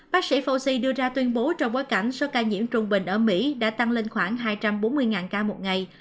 bác sĩ foxi đưa ra tuyên bố trong bối cảnh số ca nhiễm trung bình ở mỹ đã tăng lên khoảng hai trăm bốn mươi ca một ngày